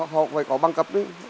họ phải có băng cấp